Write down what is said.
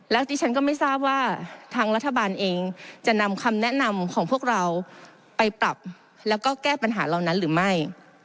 แล้วดิฉันก็ไม่ทราบว่าทางรัฐบาลเองจะนำคำแนะนำของพวกเราไปปรับแล้วก็แก้ปัญหาเหล่านั้นหรือไม่